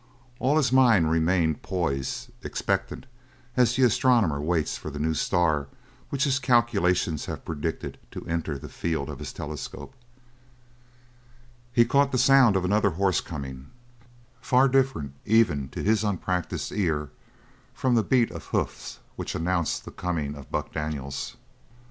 All his mind remained poised, expectant, as the astronomer waits for the new star which his calculations have predicted to enter the field of his telescope. He caught the sound of another horse coming, far different even to his unpracticed ear from the beat of hoofs which announced the coming of Buck Daniels.